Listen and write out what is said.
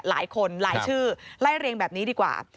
หลายคนหลายชื่อไล่เรียงแบบนี้ดีกว่า